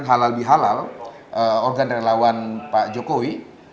halal bihalal organ relawan pak jokowi